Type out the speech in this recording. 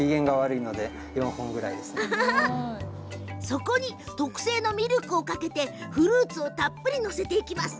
そこに特製のミルクをかけてフルーツをたっぷり載せていきます。